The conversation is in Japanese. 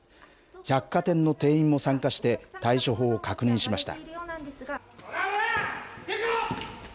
百貨店の店員も参加して、対処法を確認しました。